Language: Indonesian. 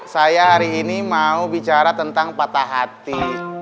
saya hari ini mau bicara tentang patah hati